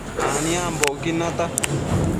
aniambocquid nata